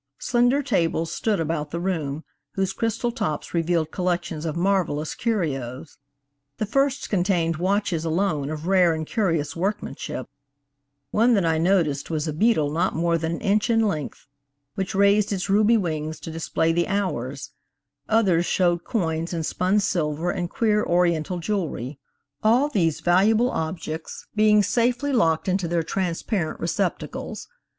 Slender tables stood about the room, whose crystal tops revealed collections of marvelous curios. The first contained watches alone of rare and curious workmanship; one that I noticed was a beetle not more than an inch in length, which raised its ruby wings to display the hours; others showed coins and spun silver and queer Oriental jewelry–all these valuable objects being safely locked into their transparent receptacles.